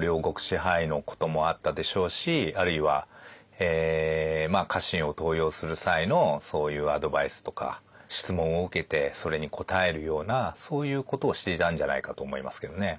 領国支配のこともあったでしょうしあるいは家臣を登用する際のそういうアドバイスとか質問を受けてそれに答えるようなそういうことをしていたんじゃないかと思いますけどね。